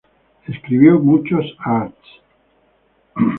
Escribió muchos Arts.